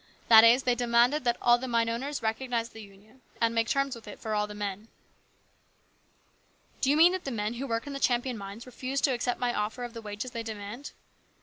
That is, they demanded that all the mine owners recognize the Union and make terms with it for all the men." "Do you mean that the men who work in the Champion mines refuse to accept my offer of the wages they demand?"